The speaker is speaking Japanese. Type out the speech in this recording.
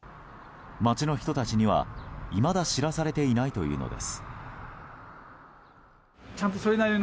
街の人たちには、いまだ知らされていないというのです。